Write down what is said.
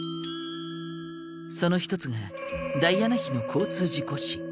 その一つがダイアナ妃の交通事故死。